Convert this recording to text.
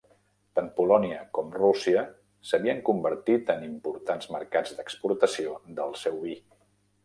Tant Polònia com Rússia s'havien convertit en importants mercats d'exportació del seu vi.